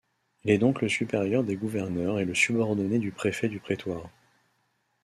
Il est donc le supérieur des gouverneurs et le subordonné du préfet du prétoire.